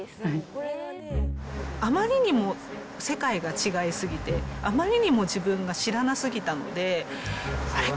あまりにも世界が違いすぎて、あまりにも自分が知らなすぎたので、あれ？